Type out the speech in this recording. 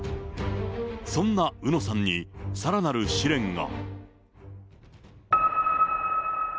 そんなうのさんに、さらなる試練が。